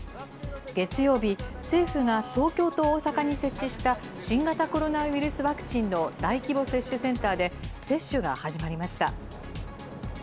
月曜日、政府が東京と大阪に設置した新型コロナウイルスワクチンの大規模接種センターで接種が始まりました。